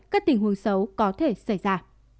các tình huống xấu có thể xảy ra